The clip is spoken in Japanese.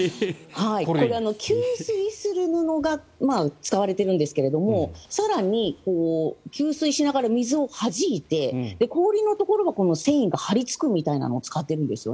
これ、吸水する布が使われているんですけど更に、吸水しながら水をはじいて氷のところは繊維が張りつくみたいなのを使ってるんです。